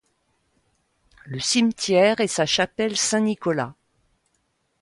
Le cimetière et sa chapelle Saint-Nicolas.